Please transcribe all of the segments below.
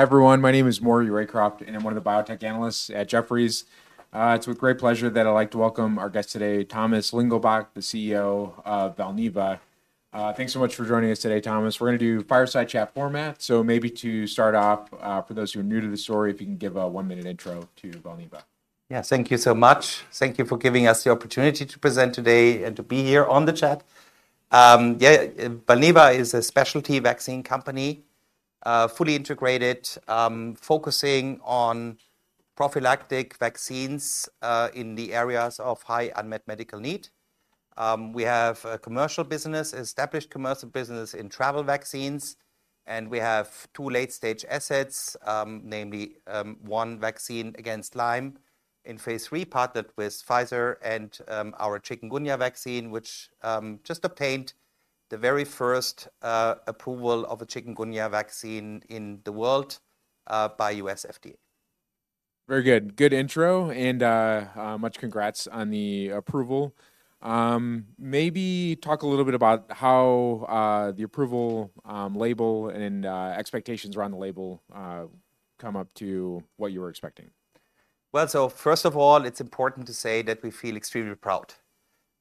Hi, everyone. My name is Maury Raycroft, and I'm one of the Biotech Analysts at Jefferies. It's with great pleasure that I'd like to welcome our guest today, Thomas Lingelbach, the CEO of Valneva. Thanks so much for joining us today, Thomas. We're going to do fireside chat format. So maybe to start off, for those who are new to the story, if you can give a one-minute intro to Valneva. Yeah, thank you so much. Thank you for giving us the opportunity to present today and to be here on the chat. Yeah, Valneva is a specialty vaccine company, fully integrated, focusing on prophylactic vaccines, in the areas of high unmet medical need. We have a commercial business, established commercial business in travel vaccines, and we have two late-stage assets, namely, one vaccine against Lyme in phase III, partnered with Pfizer, and, our Chikungunya vaccine, which, just obtained the very first, approval of a Chikungunya vaccine in the world, by U.S. FDA. Very good. Good intro, and much congrats on the approval. Maybe talk a little bit about how the approval label and expectations around the label come up to what you were expecting. Well, so first of all, it's important to say that we feel extremely proud.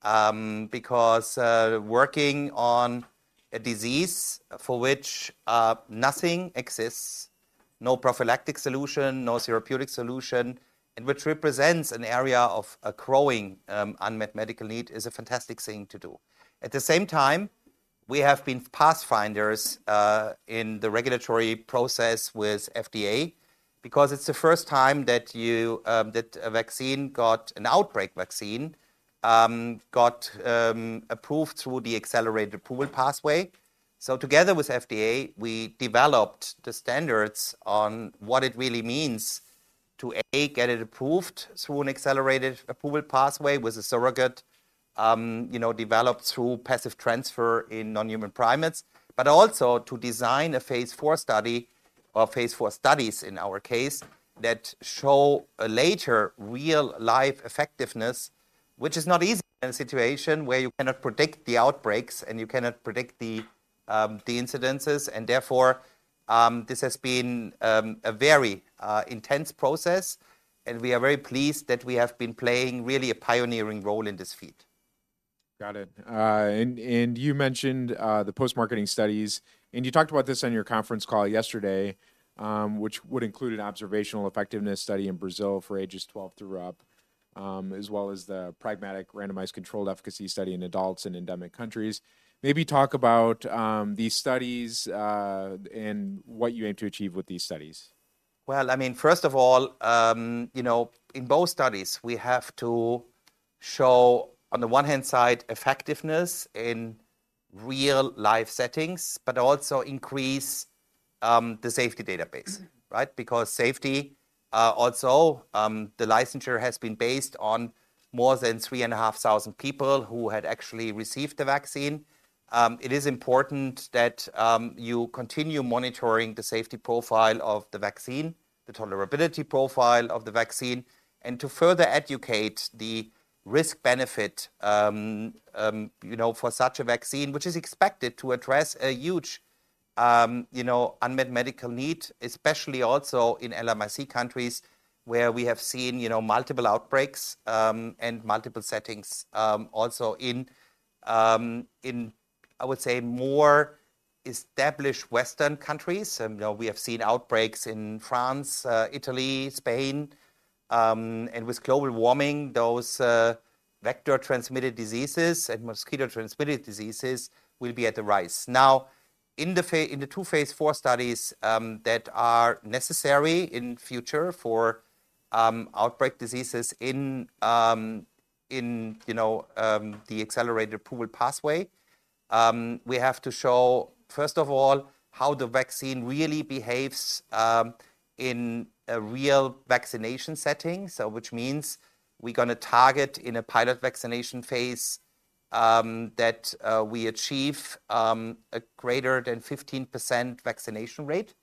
Because, working on a disease for which, nothing exists, no prophylactic solution, no therapeutic solution, and which represents an area of a growing, unmet medical need is a fantastic thing to do. At the same time, we have been pathfinders, in the regulatory process with FDA because it's the first time that that a vaccine, an outbreak vaccine, got approved through the Accelerated Approval Pathway. So together with FDA, we developed the standards on what it really means to, A, get it approved through an Accelerated Approval Pathway with a surrogate, you know, developed through passive transfer in non-human primates, but also to design a phase IV study or phase IV studies in our case, that show a later real-life effectiveness, which is not easy in a situation where you cannot predict the outbreaks and you cannot predict the incidences. And therefore, this has been a very intense process, and we are very pleased that we have been playing really a pioneering role in this field. Got it. And you mentioned the post-marketing studies, and you talked about this on your conference call yesterday, which would include an observational effectiveness study in Brazil for ages 12 through up, as well as the pragmatic randomized controlled efficacy study in adults in endemic countries. Maybe talk about these studies, and what you aim to achieve with these studies. Well, I mean, first of all, you know, in both studies, we have to show, on the one hand side, effectiveness in real-life settings, but also increase, the safety database, right? Because safety, also, the licensure has been based on more than 3,500 people who had actually received the vaccine. It is important that, you continue monitoring the safety profile of the vaccine, the tolerability profile of the vaccine, and to further educate the risk-benefit, you know, for such a vaccine, which is expected to address a huge, you know, unmet medical need, especially also in LMIC countries, where we have seen, you know, multiple outbreaks, and multiple settings, also in, in, I would say, more established Western countries. You know, we have seen outbreaks in France, Italy, Spain, and with global warming, those vector-transmitted diseases and mosquito-transmitted diseases will be at the rise. Now, in the two phase IV studies that are necessary in future for outbreak diseases in, you know, the accelerated approval pathway, we have to show, first of all, how the vaccine really behaves in a real vaccination setting. So which means we're going to target in a pilot vaccination phase that we achieve a greater than 15% vaccination rate,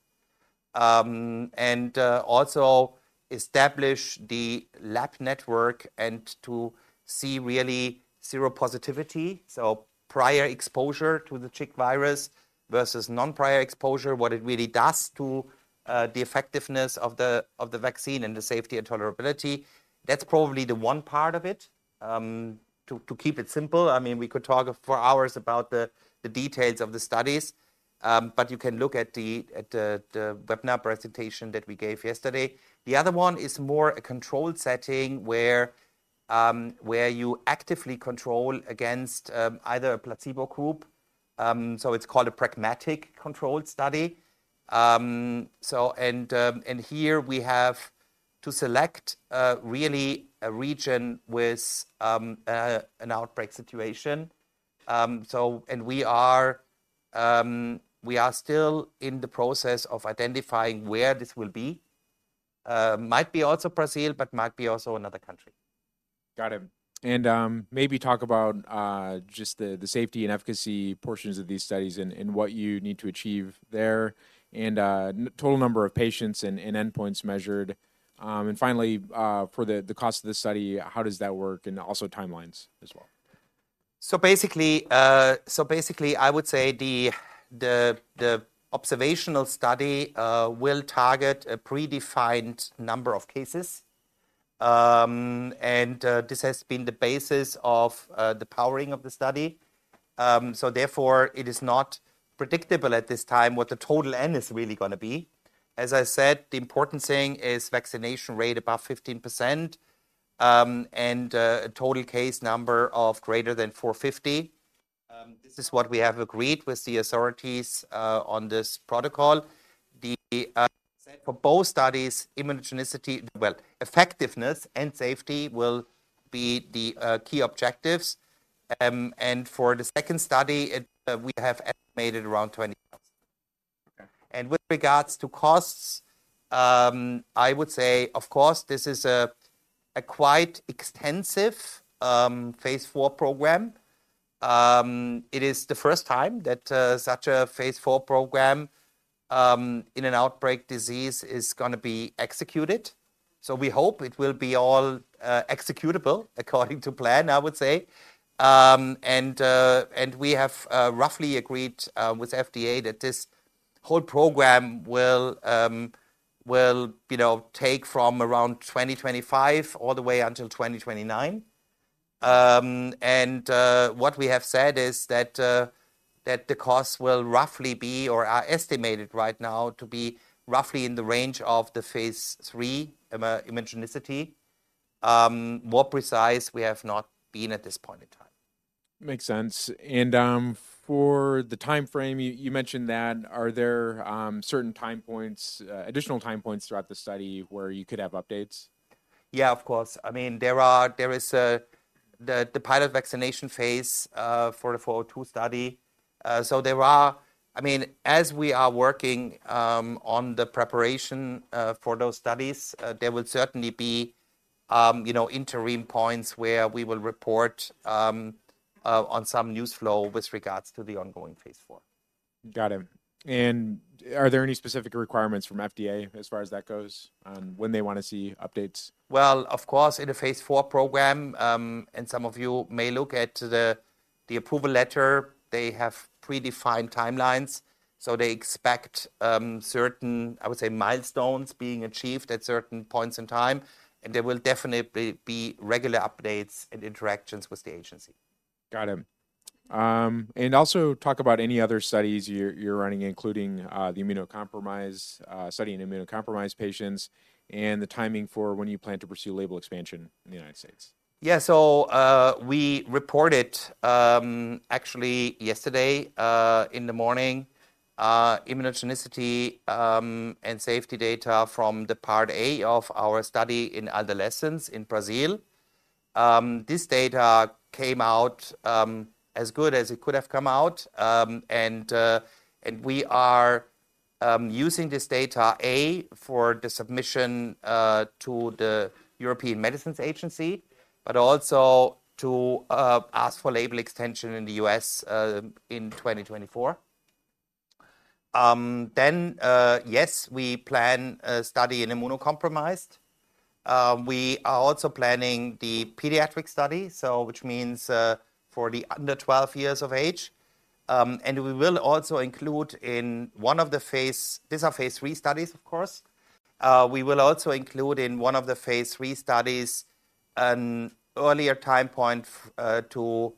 and also establish the lab network and to see really seropositivity, so prior exposure to the chik virus versus non-prior exposure, what it really does to the effectiveness of the vaccine and the safety and tolerability. That's probably the one part of it, to keep it simple. I mean, we could talk for hours about the details of the studies, but you can look at the webinar presentation that we gave yesterday. The other one is more a controlled setting where you actively control against either a placebo group, so it's called a pragmatic controlled study. So and here we have to select really a region with an outbreak situation. So and we are still in the process of identifying where this will be. Might be also Brazil, but might be also another country. Got it. And maybe talk about just the safety and efficacy portions of these studies and what you need to achieve there, and total number of patients and endpoints measured. And finally, for the cost of this study, how does that work, and also timelines as well?... So basically, I would say the observational study will target a predefined number of cases. And this has been the basis of the powering of the study. So therefore, it is not predictable at this time what the total N is really going to be. As I said, the important thing is vaccination rate above 15%, and a total case number of greater than 450. This is what we have agreed with the authorities on this protocol. For both studies, immunogenicity, well, effectiveness and safety will be the key objectives. And for the second study, we have estimated around 20. And with regards to costs, I would say, of course, this is a quite extensive phase 4 program. It is the first time that such a phase four program in an outbreak disease is going to be executed. So we hope it will be all executable according to plan, I would say. And we have roughly agreed with FDA that this whole program will, you know, take from around 2025 all the way until 2029. And what we have said is that that the costs will roughly be, or are estimated right now to be roughly in the range of the phase three immunogenicity. More precise, we have not been at this point in time. Makes sense. And, for the time frame, you mentioned that, are there certain time points, additional time points throughout the study where you could have updates? Yeah, of course. I mean, there is the pilot vaccination phase for the 402 study. So, I mean, as we are working on the preparation for those studies, there will certainly be, you know, interim points where we will report on some news flow with regards to the ongoing phase 4. Got it. And are there any specific requirements from FDA as far as that goes on when they want to see updates? Well, of course, in a phase four program, and some of you may look at the approval letter, they have predefined timelines, so they expect certain, I would say, milestones being achieved at certain points in time, and there will definitely be regular updates and interactions with the agency. Got it. And also talk about any other studies you're running, including the immunocompromised study in immunocompromised patients and the timing for when you plan to pursue label expansion in the United States. Yeah. So, we reported actually yesterday in the morning immunogenicity and safety data from the part A of our study in adolescents in Brazil. This data came out as good as it could have come out. And we are using this data for the submission to the European Medicines Agency, but also to ask for label extension in the U.S. in 2024. Then, yes, we plan a study in immunocompromised. We are also planning the pediatric study, so which means for the under 12 years of age. And we will also include in one of the phase three studies, of course. We will also include in one of the phase 3 studies, an earlier time point, to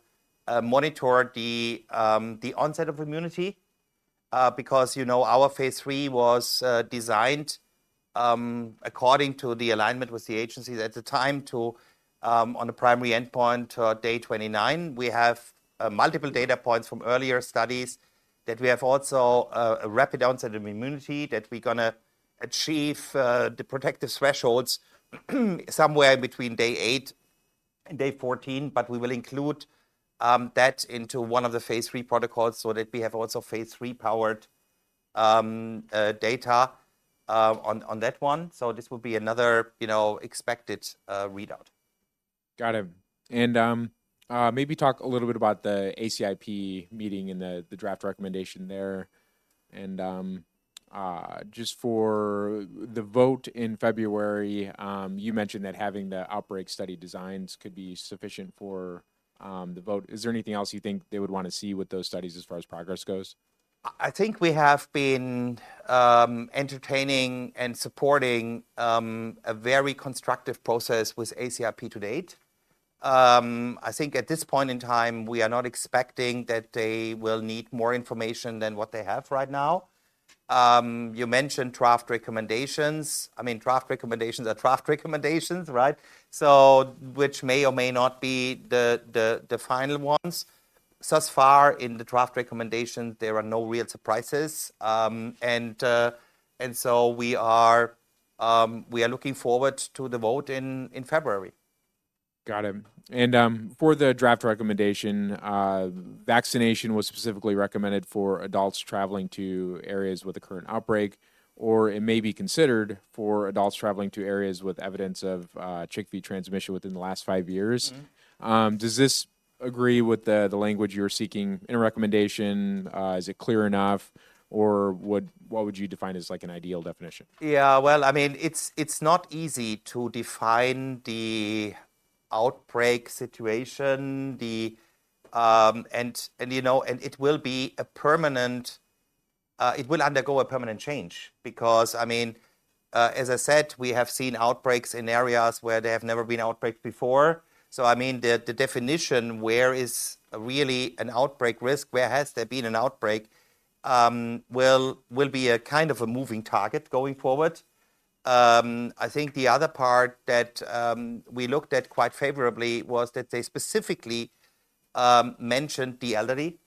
monitor the onset of immunity, because, you know, our phase 3 was designed according to the alignment with the agencies at the time to on a primary endpoint, day 29. We have multiple data points from earlier studies that we have also a rapid onset of immunity, that we're going to achieve the protective thresholds somewhere between day 8 and day 14, but we will include that into one of the phase 3 protocols so that we have also phase 3-powered data on that one. So this will be another, you know, expected readout. Got it. And, maybe talk a little bit about the ACIP meeting and the draft recommendation there. And, just for the vote in February, you mentioned that having the outbreak study designs could be sufficient for the vote. Is there anything else you think they would want to see with those studies as far as progress goes? I, I think we have been entertaining and supporting a very constructive process with ACIP to date. I think at this point in time, we are not expecting that they will need more information than what they have right now. You mentioned draft recommendations. I mean, draft recommendations are draft recommendations, right? So which may or may not be the final ones. Thus far in the draft recommendations, there are no real surprises. And so we are looking forward to the vote in February. Got it. And, for the draft recommendation, vaccination was specifically recommended for adults traveling to areas with a current outbreak, or it may be considered for adults traveling to areas with evidence of CHIKV transmission within the last five years. Mm-hmm. Does this agree with the language you're seeking in a recommendation? Is it clear enough, or what would you define as, like, an ideal definition? Yeah, well, I mean, it's, it's not easy to define the outbreak situation, the, and, and, you know, and it will undergo a permanent change. Because, I mean, as I said, we have seen outbreaks in areas where there have never been outbreaks before. So I mean, the, the definition, where is really an outbreak risk, where has there been an outbreak, will, will be a kind of a moving target going forward. I think the other part that, we looked at quite favorably was that they specifically, mentioned the elderly,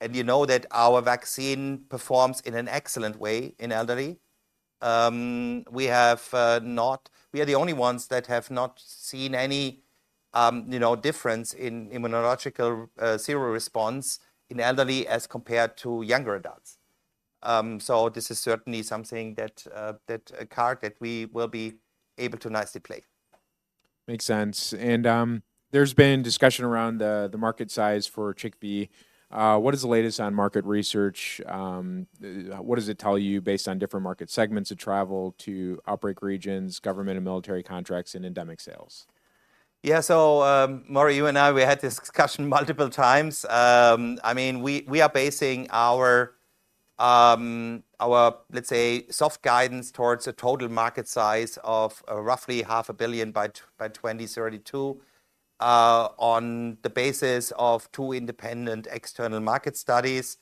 and you know that our vaccine performs in an excellent way in elderly. We have, not-- we are the only ones that have not seen any, you know, difference in immunological, serum response in elderly as compared to younger adults. So this is certainly something, a card that we will be able to nicely play. Makes sense. There's been discussion around the market size for Chikungunya. What is the latest on market research? What does it tell you based on different market segments of travel to outbreak regions, government and military contracts, and endemic sales? Yeah. So, Maury, you and I, we had this discussion multiple times. I mean, we are basing our, our, let's say, soft guidance towards a total market size of roughly 500 million by 2032, on the basis of two independent external market studies.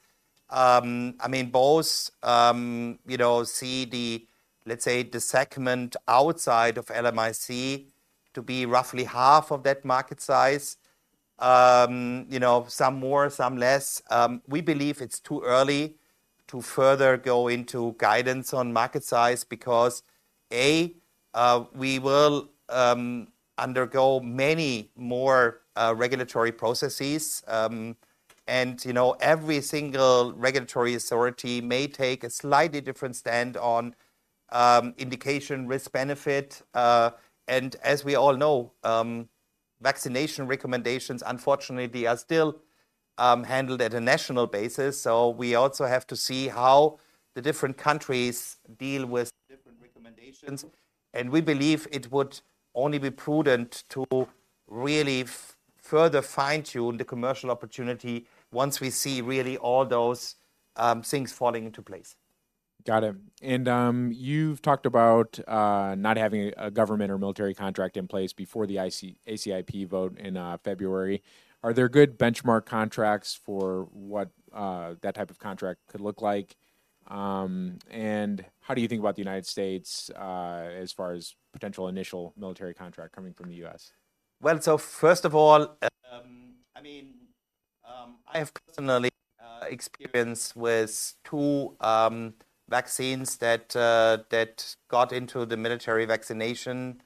I mean, both, you know, see the, let's say, the segment outside of LMIC to be roughly half of that market size. You know, some more, some less. We believe it's too early to further go into guidance on market size because, A, we will undergo many more, regulatory processes. And, you know, every single regulatory authority may take a slightly different stand on, indication, risk, benefit, and as we all know, vaccination recommendations, unfortunately, they are still, handled at a national basis. So we also have to see how the different countries deal with different recommendations, and we believe it would only be prudent to really further fine-tune the commercial opportunity once we see really all those things falling into place. Got it. And, you've talked about not having a government or military contract in place before the ACIP vote in February. Are there good benchmark contracts for what that type of contract could look like? And how do you think about the United States as far as potential initial military contract coming from the US? Well, so first of all, I mean, I have personal experience with two vaccines that got into the military vaccination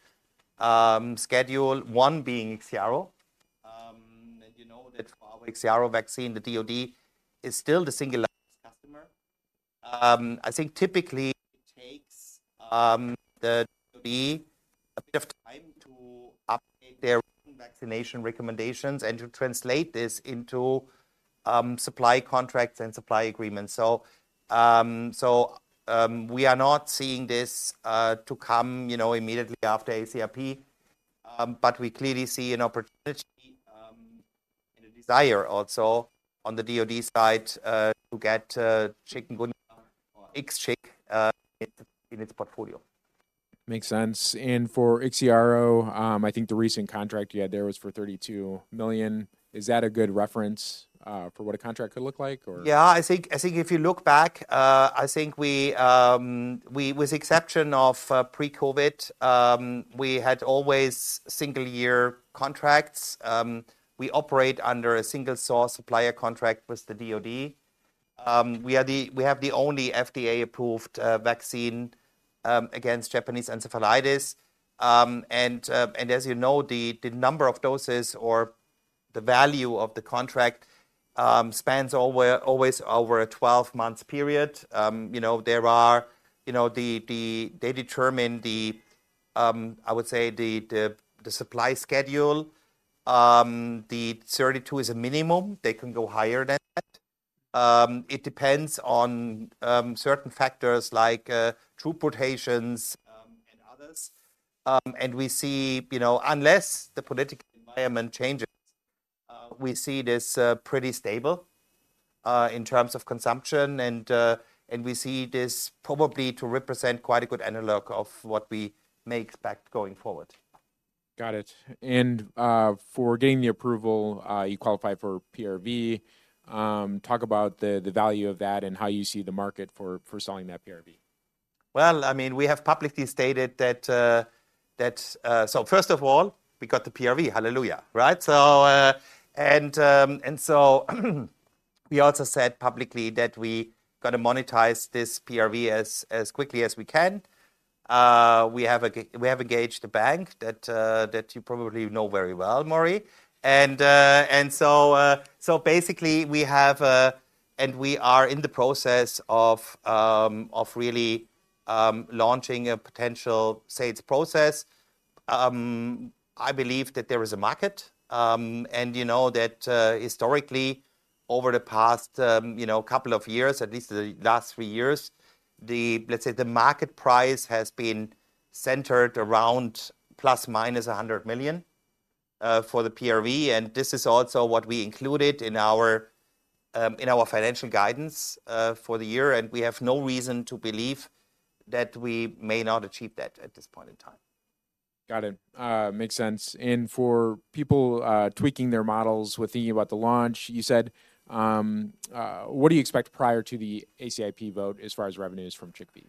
schedule, one being IXIARO. And you know that for our IXIARO vaccine, the DoD is still the single largest customer. I think typically it takes the DoD a bit of time to update their vaccination recommendations and to translate this into supply contracts and supply agreements. So, we are not seeing this to come, you know, immediately after ACIP, but we clearly see an opportunity and a desire also on the DoD side to get Chikungunya or IXCHIQ in its portfolio. Makes sense. For IXIARO, I think the recent contract you had there was for $32 million. Is that a good reference for what a contract could look like or? Yeah, I think if you look back, with the exception of pre-COVID, we had always single-year contracts. We operate under a single-source supplier contract with the DoD. We have the only FDA-approved vaccine against Japanese encephalitis. And as you know, the number of doses or the value of the contract spans over, always over, a 12-month period. You know, there are... You know, they determine the supply schedule, I would say. The 32 is a minimum. They can go higher than that. It depends on certain factors like throughput patients and others. We see, you know, unless the political environment changes, we see this pretty stable in terms of consumption, and we see this probably to represent quite a good analog of what we may expect going forward. Got it. For getting the approval, you qualify for PRV. Talk about the value of that and how you see the market for selling that PRV. Well, I mean, we have publicly stated that... So first of all, we got the PRV, hallelujah, right? So, and so, we also said publicly that we got to monetize this PRV as quickly as we can. We have engaged a bank that you probably know very well, Maury. And, so basically, we have, and we are in the process of really launching a potential sales process. I believe that there is a market, and you know that, historically, over the past, you know, couple of years, at least the last three years, the, let's say, the market price has been centered around ±$100 million.... for the PRV, and this is also what we included in our, in our financial guidance for the year, and we have no reason to believe that we may not achieve that at this point in time. Got it. Makes sense. And for people tweaking their models with thinking about the launch, you said, what do you expect prior to the ACIP vote as far as revenues from CHIKV?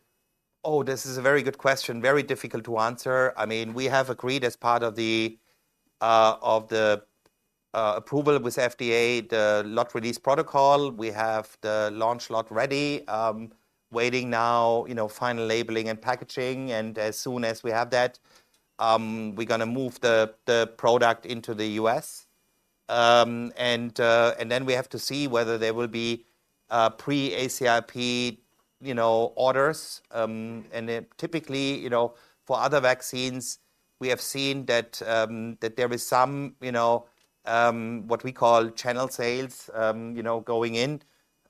Oh, this is a very good question. Very difficult to answer. I mean, we have agreed as part of the approval with FDA, the lot release protocol. We have the launch lot ready, waiting now, you know, final labeling and packaging, and as soon as we have that, we're gonna move the product into the U.S. And then we have to see whether there will be pre-ACIP, you know, orders. And then typically, you know, for other vaccines, we have seen that there is some, you know, what we call channel sales, you know, going in,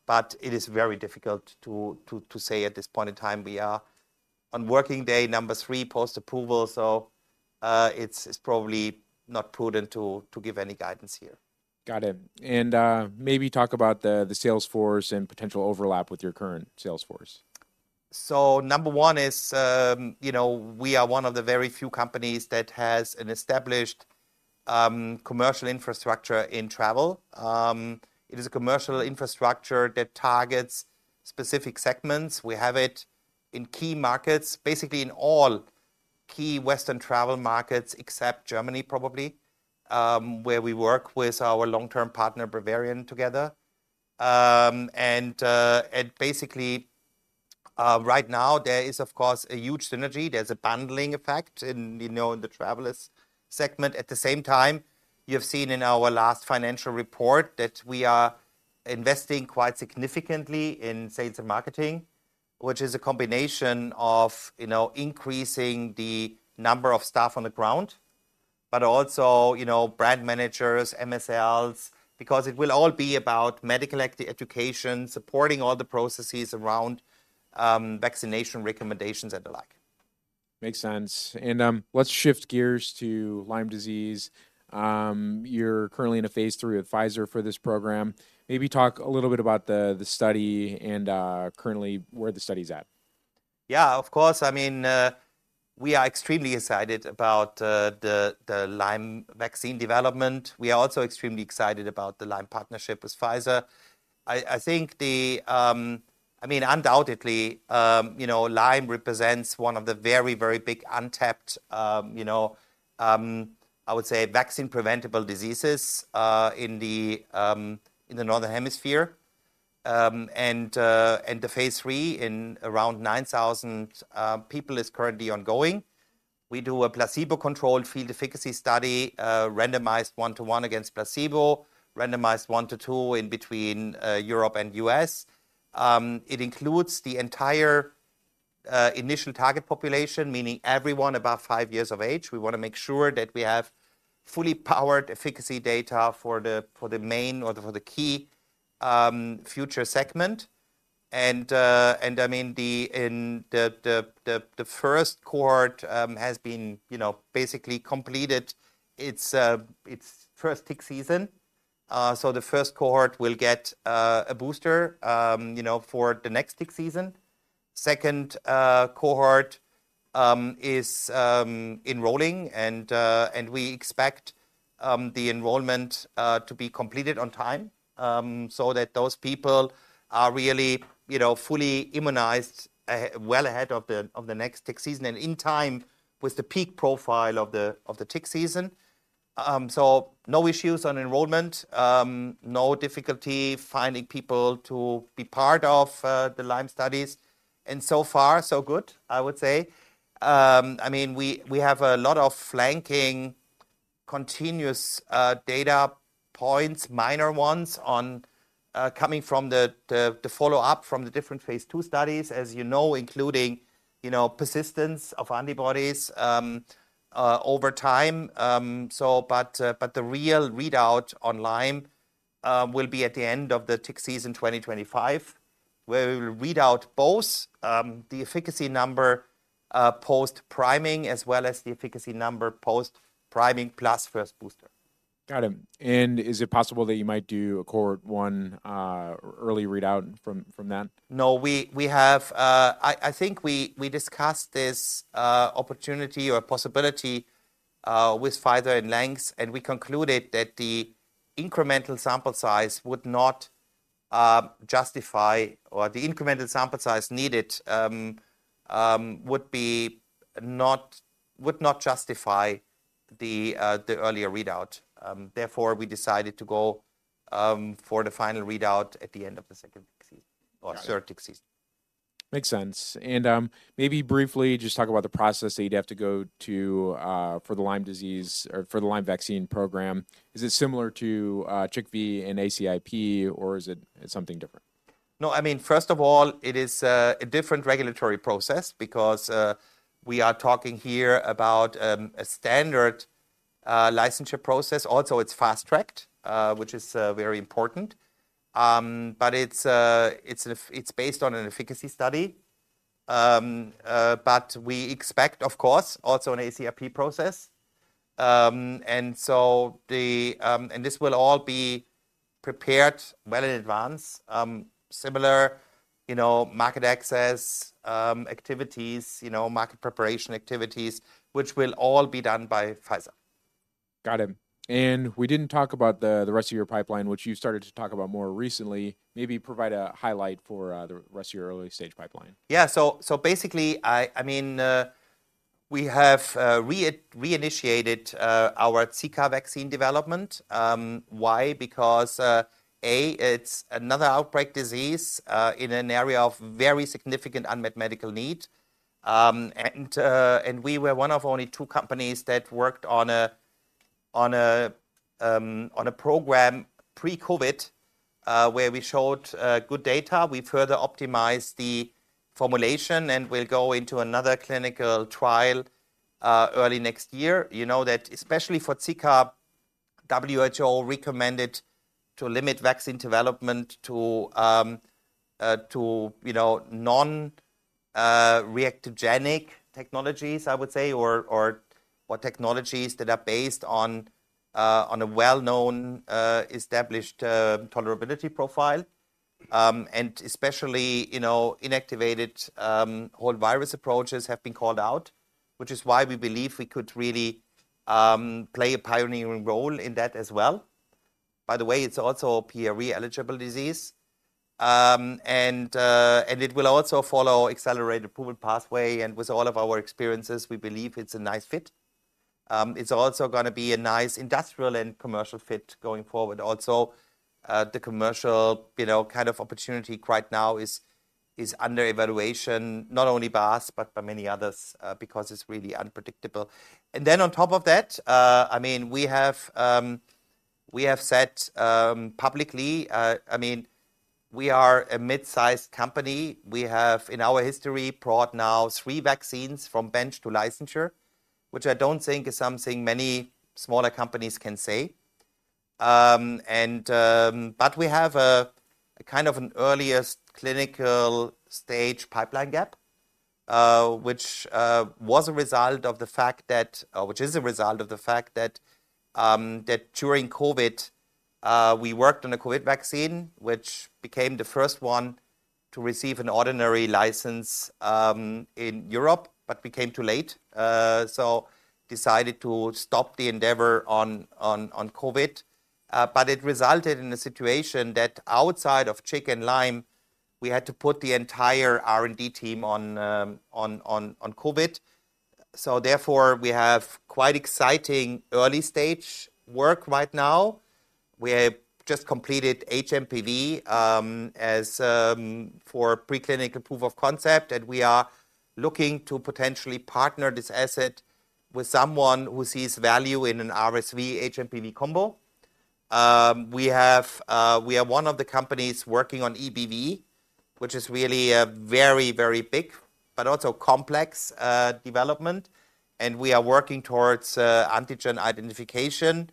but it is very difficult to say at this point in time. We are on working day number 3 post-approval, so, it's probably not prudent to give any guidance here. Got it. And, maybe talk about the sales force and potential overlap with your current sales force. So number one is, you know, we are one of the very few companies that has an established, commercial infrastructure in travel. It is a commercial infrastructure that targets specific segments. We have it in key markets, basically in all key Western travel markets, except Germany, probably, where we work with our long-term partner, Bavarian, together. And basically, right now, there is, of course, a huge synergy. There's a bundling effect in, you know, in the travelers segment. At the same time, you've seen in our last financial report that we are investing quite significantly in sales and marketing, which is a combination of, you know, increasing the number of staff on the ground, but also, you know, brand managers, MSLs, because it will all be about medical education, supporting all the processes around, vaccination recommendations and the like. Makes sense. And, let's shift gears to Lyme Disease. You're currently in a phase III at Pfizer for this program. Maybe talk a little bit about the study and currently where the study's at. Yeah, of course. I mean, we are extremely excited about the Lyme vaccine development. We are also extremely excited about the Lyme partnership with Pfizer. I think. I mean, undoubtedly, you know, Lyme represents one of the very, very big untapped, you know, I would say, vaccine-preventable diseases in the Northern Hemisphere. And the phase III in around 9,000 people is currently ongoing. We do a placebo-controlled field efficacy study, randomized 1 to 1 against placebo, randomized 1 to 2 in between Europe and U.S. It includes the entire initial target population, meaning everyone above 5 years of age. We want to make sure that we have fully powered efficacy data for the main or for the key future segment. I mean, the first cohort has been, you know, basically completed its first tick season. So the first cohort will get a booster, you know, for the next tick season. Second cohort is enrolling, and we expect the enrollment to be completed on time, so that those people are really, you know, fully immunized well ahead of the next tick season and in time with the peak profile of the tick season. So no issues on enrollment, no difficulty finding people to be part of the Lyme studies, and so far, so good, I would say. I mean, we have a lot of flanking, continuous data points, minor ones, on coming from the follow-up from the different phase II studies, as you know, including, you know, persistence of antibodies over time. The real readout on Lyme will be at the end of the tick season 2025, where we will read out both the efficacy number post-priming, as well as the efficacy number post-priming plus first booster. Got it. And is it possible that you might do a Cohort 1 early readout from that? No, we have. I think we discussed this opportunity or possibility with Pfizer at length, and we concluded that the incremental sample size would not justify, or the incremental sample size needed would not justify the earlier readout. Therefore, we decided to go for the final readout at the end of the second tick season or third tick season. Makes sense. And, maybe briefly just talk about the process that you'd have to go to, for the Lyme disease or for the Lyme vaccine program. Is it similar to, CHIKV and ACIP, or is it something different? No, I mean, first of all, it is a different regulatory process because we are talking here about a standard licensure process. Also, it's fast-tracked, which is very important. But it's based on an efficacy study, but we expect, of course, also an ACIP process. And so the and this will all be prepared well in advance. Similar, you know, market access activities, you know, market preparation activities, which will all be done by Pfizer. Got it. And we didn't talk about the rest of your pipeline, which you started to talk about more recently. Maybe provide a highlight for the rest of your early-stage pipeline. Yeah. So, so basically, I, I mean, we have reinitiated our Zika vaccine development. Why? Because, A, it's another outbreak disease in an area of very significant unmet medical need. And we were one of only two companies that worked on a program pre-COVID, where we showed good data. We further optimized the formulation, and we'll go into another clinical trial early next year. You know that especially for Zika, WHO recommended to limit vaccine development to, you know, non-reactogenic technologies, I would say, or technologies that are based on a well-known established tolerability profile. Especially, you know, inactivated whole virus approaches have been called out, which is why we believe we could really play a pioneering role in that as well. By the way, it's also a PRV-eligible disease. And it will also follow Accelerated Approval Pathway, and with all of our experiences, we believe it's a nice fit. It's also gonna be a nice industrial and commercial fit going forward. Also, the commercial, you know, kind of opportunity right now is under evaluation, not only by us, but by many others, because it's really unpredictable. And then on top of that, I mean, we have said publicly, I mean, we are a mid-sized company. We have, in our history, brought now three vaccines from bench to licensure, which I don't think is something many smaller companies can say. But we have a kind of an earliest clinical stage pipeline gap, which is a result of the fact that during COVID, we worked on a COVID vaccine, which became the first one to receive an ordinary license in Europe, but we came too late, so decided to stop the endeavor on COVID. But it resulted in a situation that outside of tick and Lyme, we had to put the entire R&D team on COVID. So therefore, we have quite exciting early-stage work right now. We have just completed HMPV for preclinical proof of concept, and we are looking to potentially partner this asset with someone who sees value in an RSV HMPV combo. We are one of the companies working on EBV, which is really a very, very big but also complex development, and we are working towards antigen identification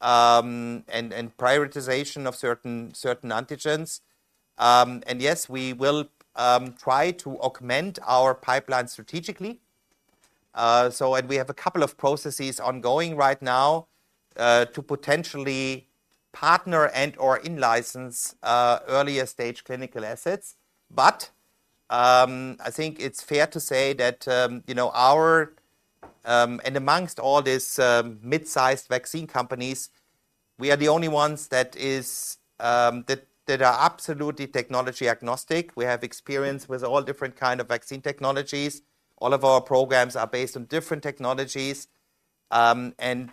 and prioritization of certain antigens. Yes, we will try to augment our pipeline strategically. We have a couple of processes ongoing right now to potentially partner and/or in-license earlier-stage clinical assets. But I think it's fair to say that, you know, amongst all these mid-sized vaccine companies, we are the only ones that are absolutely technology agnostic. We have experience with all different kind of vaccine technologies. All of our programs are based on different technologies, and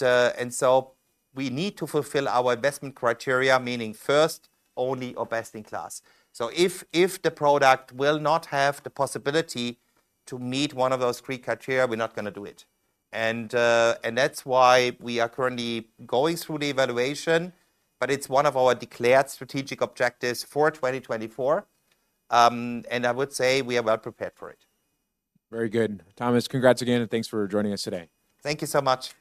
so we need to fulfill our investment criteria, meaning first, only, or best-in-class. So if the product will not have the possibility to meet one of those three criteria, we're not gonna do it. And that's why we are currently going through the evaluation, but it's one of our declared strategic objectives for 2024. And I would say we are well prepared for it. Very good. Thomas, congrats again, and thanks for joining us today. Thank you so much.